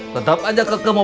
tetap aja ke mobil saya